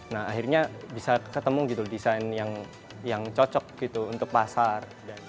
nah akhirnya bisa ketemu gitu desain yang cocok gitu untuk pasar